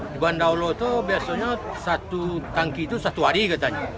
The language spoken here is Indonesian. di bandaruloto biasanya satu tangki itu satu hari katanya